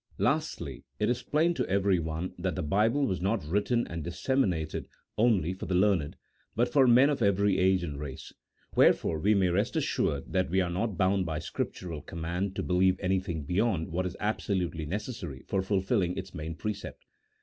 [CHAP. XIV. Lastly, it is plain to everyone that the Bible was not written and disseminated only for the learned, but for men of every age and race ; wherefore we may rest assured that we are not bound by Scriptural command to believe anything beyond what is absolutely necessary for fulfilling its main precept.